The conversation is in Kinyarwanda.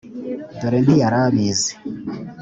dore ntiyari abizi;